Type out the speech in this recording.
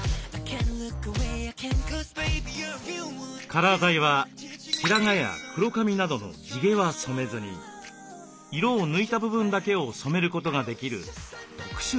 カラー剤は白髪や黒髪などの地毛は染めずに色を抜いた部分だけを染めることができる特殊なものです。